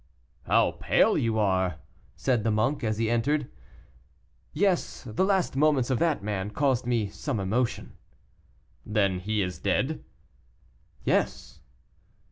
"How pale you are!" said the monk, as he entered. "Yes, the last moments of that man caused me some emotion." "Then he is dead?" "Yes."